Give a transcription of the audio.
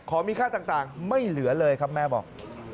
มีค่าต่างไม่เหลือเลยครับแม่บอก